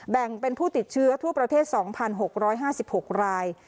แบ่งเป็นผู้ติดเชื้อทั่วประเทศ๒๖๕๖ราย